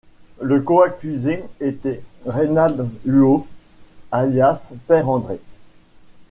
Le coaccusé était Reynald Huot, alias Père André.